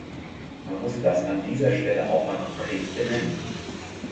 Man muss das an dieser Stelle auch mal konkret benennen.